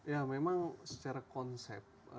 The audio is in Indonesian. ya memang secara konsep